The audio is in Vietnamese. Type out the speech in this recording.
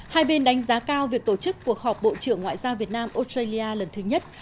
hai bên đánh giá cao việc tổ chức cuộc họp bộ trưởng ngoại giao việt nam australia lần thứ nhất